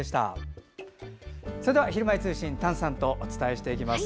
それでは「ひるまえ通信」丹さんとお伝えします。